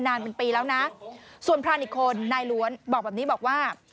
นานเป็นปีแล้วนะส่วนพรานอีกคนนายล้วนบอกแบบนี้บอกว่า